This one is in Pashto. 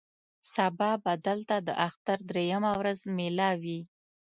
سبا به دلته د اختر درېیمه ورځ مېله وي.